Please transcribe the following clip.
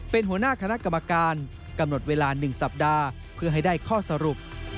เป็นหัวหน้าคณะกรรมการกำหนดเวลา๑สัปดาห์เพื่อให้ได้ข้อสรุป